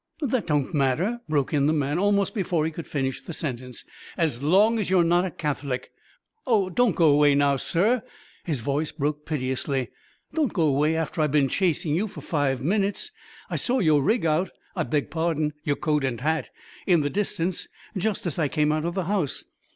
"That don't matter," broke in the man, almost before he could finish the sentence. "As long as you're not a Catholic. Oh, don't go away now, sir!" His voice broke piteously. "Don't go away after I've been chasing you for five minutes I saw your rig out I beg pardon, your coat and hat in the distance just as I came out of the house.